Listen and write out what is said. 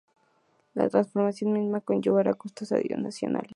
La transformación misma conllevará costos adicionales.